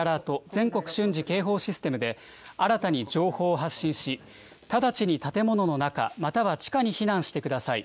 ・全国瞬時警報システムを新たに情報を発信し、直ちに建物の中、または地下に避難してください。